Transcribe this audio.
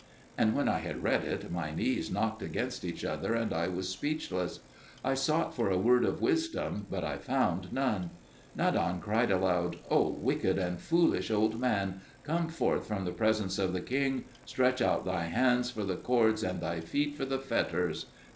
And when I had read it, my knees knocked against each other, and I was speechless; I sought for a word of wisdom, but I found none. Nadan cried aloud, "O wicked and foolish old man, come forth from the presence of the king; stretch out thy hands for the cords and thy feet for the fetters!"